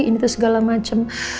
ini tuh segala macem